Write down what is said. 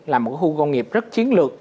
là một khu công nghiệp rất chiến lược